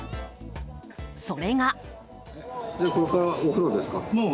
それが。